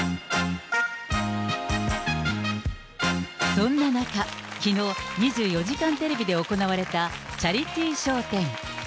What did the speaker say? そんな中、きのう、２４時間テレビで行われたチャリティー笑点。